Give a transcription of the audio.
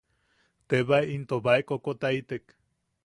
Tebae into baʼae kokotaitek.